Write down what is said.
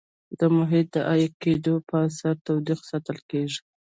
د محیط د عایق کېدو په اثر تودوخه ساتل کیږي.